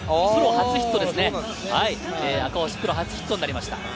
今、これを初ヒットになりました。